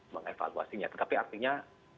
mengevaluasinya tetapi artinya